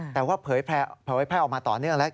แต่ว่าเผยแพร่ออกมาต่อเนื่องแล้ว